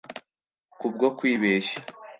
Kubwo kwibeshya